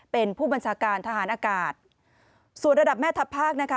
เป็นผู้บัญชาการทหารอากาศส่วนระดับแม่ทัพภาคนะคะ